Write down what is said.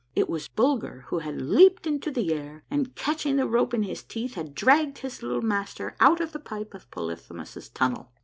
It was Bulger who liad leaped into the air, and catching the rope in his teeth had dragged his little master out of the pipe of Polyphemus' Funnel